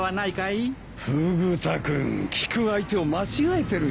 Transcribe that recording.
フグ田君聞く相手を間違えてるよ。